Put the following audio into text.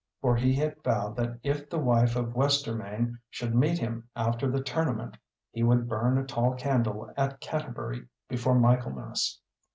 For he had vowed that if the wife of Westermain should meet him after the tournament he would burn a tall candle at Canterbury before Michaelmas.